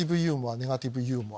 ネガティブユーモア。